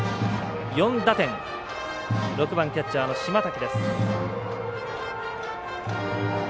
４打点、６番キャッチャーの島瀧。